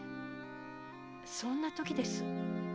そんなときです。